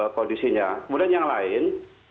kondisinya kemudian yang lain